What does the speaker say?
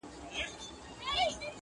o چي نې غواړم مې راوينې!